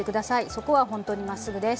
そこはほんとにまっすぐです。